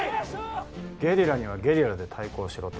ゲリラにはゲリラで対抗しろと？